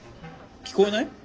聞こえない？